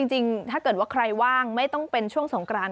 จริงถ้าเกิดว่าใครว่างไม่ต้องเป็นช่วงสงกราน